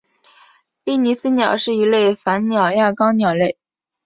利尼斯鸟是一类反鸟亚纲鸟类。